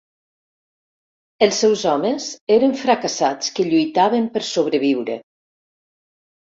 Els seus homes eren fracassats que lluitaven per sobreviure.